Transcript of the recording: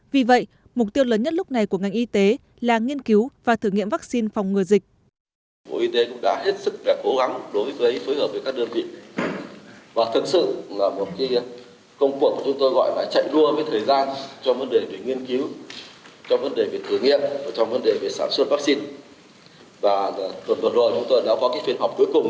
vì vậy mục tiêu lớn nhất lúc này của ngành y tế là nghiên cứu và thử nghiệm vaccine phòng ngừa dịch